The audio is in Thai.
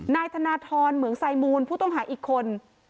นายธนทรเหมืองไซมูลผู้ต้องหาอีกคน